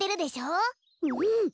うん。